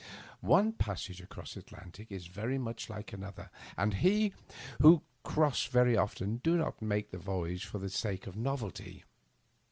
One passage across the Atlantic is very much like another, and we who cross very often do not make the voyage for the sake of novelty.